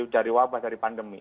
dari wabah dari pandemi